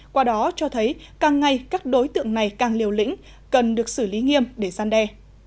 qua đó cho thấy càng ngay các đối tượng này càng liều lĩnh cần được xử lý nghiêm để gian đe